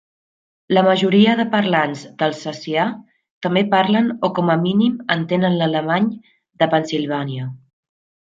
La majoria de parlants d'alsacià també parlen o com a mínim entenen l'alemany de Pennsylvania.